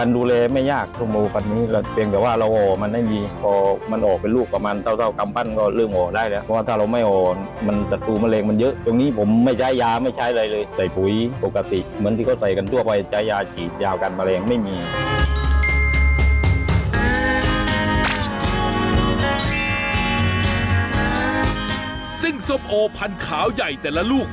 ซึ่งส้มโอพันขาวใหญ่แต่ละลูก